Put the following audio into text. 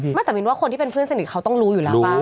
แต่มินว่าคนที่เป็นเพื่อนสนิทเขาต้องรู้อยู่แล้วบ้าง